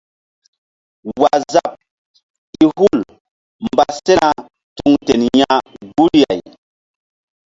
Waazap i hul mba sena tuŋ ten ya guri-ah.